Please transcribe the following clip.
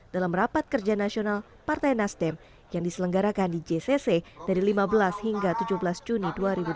dalam rapat kerja nasional partai nasdem yang diselenggarakan di jcc dari lima belas hingga tujuh belas juni dua ribu dua puluh